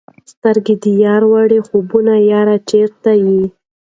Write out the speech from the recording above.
سترګي د یار وړه خوبونه یاره چیرته یې؟